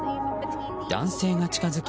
男性が近づき